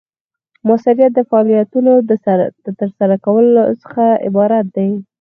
مؤثریت د فعالیتونو د ترسره کولو څخه عبارت دی.